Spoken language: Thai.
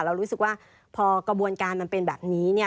เรารู้สึกว่าพอกระบวนการมันเป็นแบบนี้เนี่ย